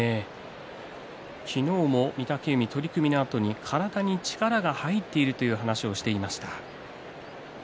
昨日も御嶽海を取組のあと体に力が入っているという話をしていました。